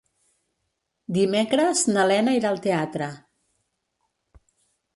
Dimecres na Lena irà al teatre.